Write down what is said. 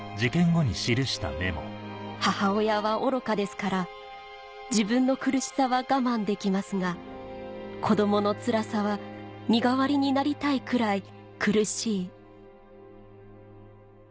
「母親は愚かですから自分の苦しさは我慢出来ますが子供のつらさは身代りになりたい位苦しい」